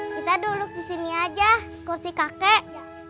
kita duduk di sini aja kursi kakek